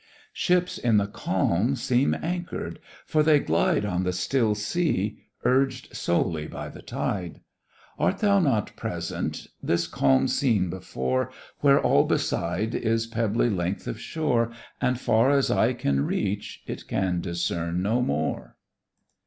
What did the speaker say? Ships in the calm seem anchor'd; for they glide On the still sea, urged solely by the tide: Art thou not present, this calm scene before, Where all beside is pebbly length of shore, And far as eye can reach, it can discern no more?